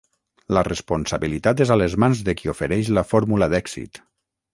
La responsabilitat és a les mans de qui ofereix la fórmula d'èxit.